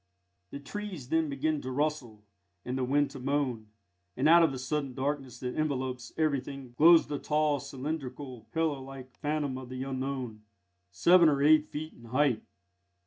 The trees then begin to rustle, and the wind to moan, and out of the sudden darkness that envelops everything glows the tall, cylindrical, pillar like phantom of the Unknown, seven or eight feet in height.